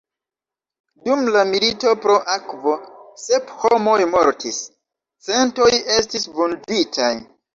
Dum la „milito pro akvo“ sep homoj mortis, centoj estis vunditaj.